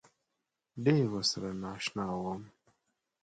ډېر ورسره نا اشنا وم.